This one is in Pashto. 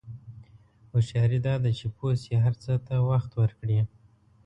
هوښیاري دا ده چې پوه شې هر څه ته وخت ورکړې.